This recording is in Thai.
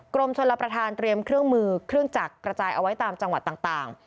กรมชลประธานเตรียมเครื่องมือเครื่องจักรกระจายเอาไว้ตามจังหวัดต่าง